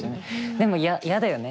でも嫌だよね。